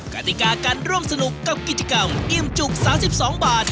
กติกาการร่วมสนุกกับกิจกรรมอิ่มจุก๓๒บาท